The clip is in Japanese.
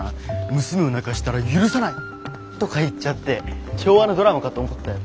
「娘を泣かしたら許さない」とか言っちゃって昭和のドラマかと思ったよ。